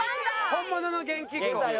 本物の元気っ子。